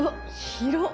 広っ！